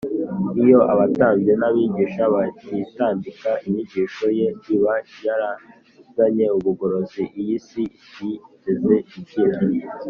. Iyo abatambyi n’abigisha batitambika, inyigisho Ye iba yarazanye ubugorozi iyi si itigeze igira.